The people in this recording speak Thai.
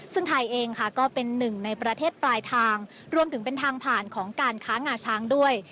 ซึ่งไทยเองค่ะก็เป็นหนึ่งในประเทศปลายทางรวมถึงเป็นทางผ่านของการค้างงาช้างด้วย